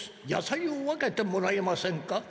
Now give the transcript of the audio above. やさいを分けてもらえませんか？